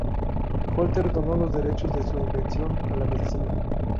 Holter donó los derechos de su invención a la medicina.